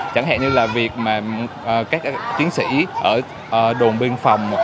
chẳng hẹn như là việc mà các chiến sĩ ở đồn bên phòng